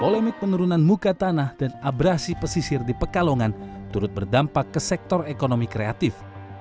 polemik penurunan muka tanah dan abrasi pesisir di pekalongan turut berdampak ke sektor ekonomi kreatif